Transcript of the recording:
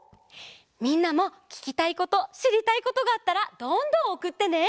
みんなもききたいことしりたいことがあったらどんどんおくってね！